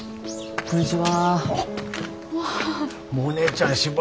こんにちは。